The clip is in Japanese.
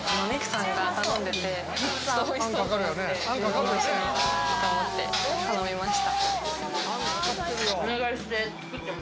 自分も一緒にと思って頼みました。